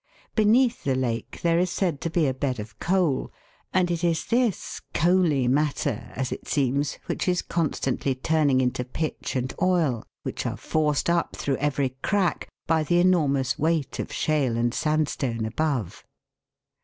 Beneath the lake there is said to be a bed of coal, and it is this coaly matter, as it seems, which is constantly turning into pitch and oil, which are forced up through every crack by the enormous weight of shale and sandstone above.